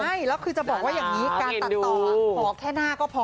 ใช่แล้วคือจะบอกว่าอย่างนี้การตัดต่อขอแค่หน้าก็พอ